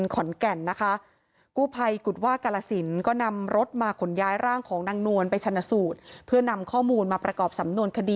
คนละหนึ่งนะ